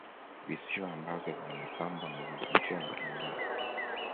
Visiwa ambavyo vinapambwa na vivutio mbalimbali